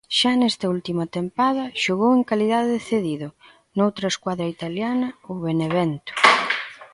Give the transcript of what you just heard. Xa nesta última tempada, xogou en calidade de cedido noutra escuadra italiana, o Benevento.